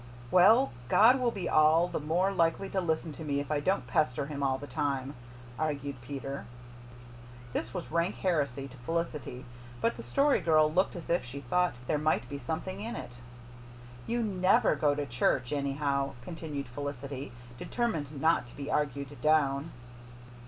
"Well, God will be all the more likely to listen to me if I don't pester Him all the time," argued Peter. This was rank heresy to Felicity, but the Story Girl looked as if she thought there might be something in it. "You NEVER go to church, anyhow," continued Felicity, determined not to be argued down.